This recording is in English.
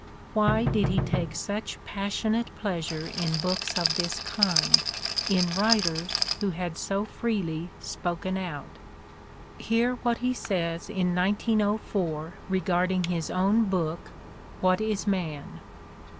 Why did he take such passionate pleasure in books of this kind, in writers who had so freely "spoken out" Hear what he says in 1904 regarding his own book, "What Is Man?"